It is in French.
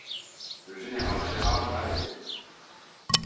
Le général Gérard à la Guerre!